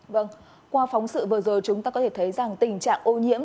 vâng qua phóng sự vừa rồi chúng ta có thể thấy rằng tình trạng ô nhiễm